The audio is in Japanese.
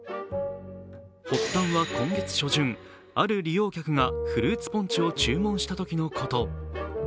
発端は今月初旬、ある利用客がフルーツポンチを注文したときのこと。